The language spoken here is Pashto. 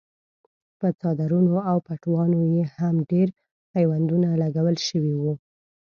په څادرونو او پټوانو یې هم ډېر پیوندونه لګول شوي وو.